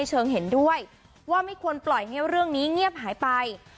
เชิงเห็นด้วยว่าไม่ควรปล่อยให้เรื่องนี้เงียบหายไป